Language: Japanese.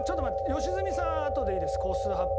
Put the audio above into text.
良純さんはあとでいいです個数発表。